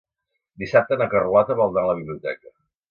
Dissabte na Carlota vol anar a la biblioteca.